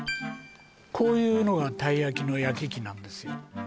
こういうのがたい焼きの焼き器なんですよ